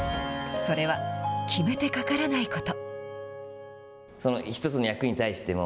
それは、決めてかからないこと。